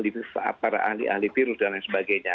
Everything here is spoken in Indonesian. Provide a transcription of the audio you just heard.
para ahli virus dan lain sebagainya